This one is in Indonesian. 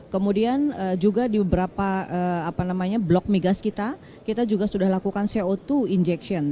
kemudian juga di beberapa blok migas kita kita juga sudah lakukan co dua injection